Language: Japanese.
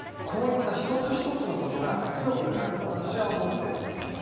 こういった１つ１つのことが圧力になると私は思っています。